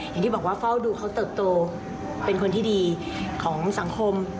อย่างที่บอกว่าเฝ้าดูเขาเติบโตเป็นคนที่ดีของสังคม